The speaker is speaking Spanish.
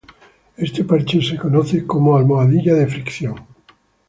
Este parche es conocido como "almohadilla de fricción.